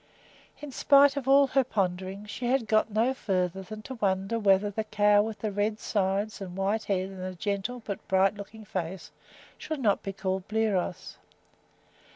In spite of all her pondering she had got no farther than to wonder whether the cow with the red sides and white head and the gentle but bright looking face should not be called Bliros.